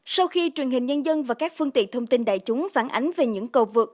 sau khi truyền hình nhân dân và các phương tiện thông tin đại chúng phản ánh về những cầu vượt